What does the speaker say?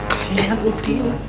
kesian tuh tim